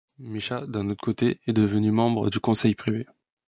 Misha, d'un autre côté, est devenu membre du conseil privé.